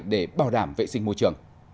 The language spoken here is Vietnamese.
để bảo đảm vệ sinh môi trường